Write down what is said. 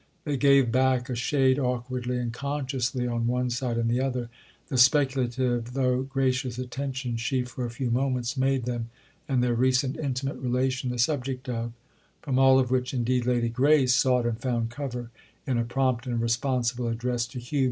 They gave back a shade awkwardly and consciously, on one side and the other, the speculative though gracious attention she for a few moments made them and their recent intimate relation the subject of; from all of which indeed Lady Grace sought and found cover in a prompt and responsible address to Hugh.